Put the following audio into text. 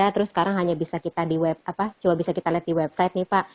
terus sekarang hanya bisa kita di web apa coba bisa kita lihat di website nih pak